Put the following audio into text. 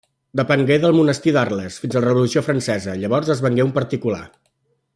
Depengué del monestir d’Arles, fins a la Revolució Francesa, llavors es vengué a un particular.